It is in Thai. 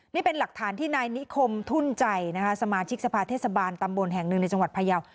นี่เป็นหลักฐานที่นายนิคมทุ่นใจนะคะสมาชิกสภาเทศบาลตำบลแห่งหนึ่งในจังหวัดพยาว